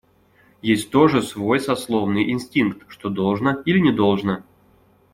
Есть тоже свой сословный инстинкт, что должно или не должно.